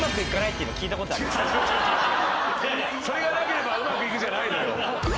それがなければうまくいくじゃないのよ。